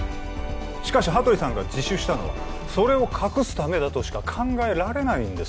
しかし羽鳥さんが自首したのはそれを隠すためだとしか考えられないんです